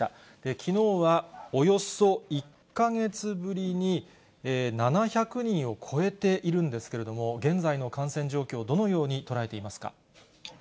きのうはおよそ１か月ぶりに７００人を超えているんですけれども、現在の感染状況、どのように捉えていますか。